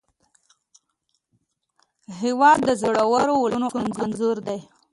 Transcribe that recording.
هېواد د زړورو ولسونو انځور دی.